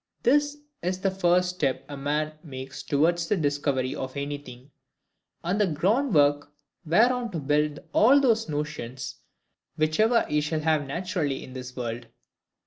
This is the first step a man makes towards the discovery of anything, and the groundwork whereon to build all those notions which ever he shall have naturally in this world.